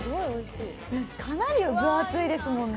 かなり分厚いですもんね。